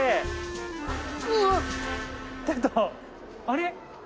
あれ？